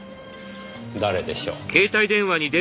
誰でしょう？